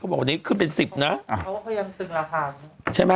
วันนี้ขึ้นไป๑๐บาทนะ